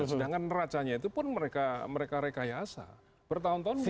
sedangkan racanya itu pun mereka rekayasa bertahun tahun